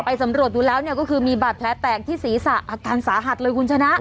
ไปสำรวจดูแล้วเนี่ยก็คือมีบัตรแพ้แตกที่สีศาการสาหัดเลยคุณชนะ